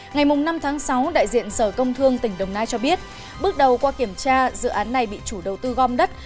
ngày năm tháng sáu đại diện sở công thương tỉnh đồng nai cho biết bước đầu qua kiểm tra dự án này bị chủ đầu tư gom đất